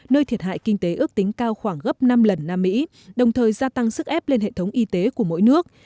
nơi thiệt hại kinh tế ước tính cao khoảng gấp năm lần nam mỹ đồng thời gia tăng sức ép lên hệ thống y tế của mỗi nước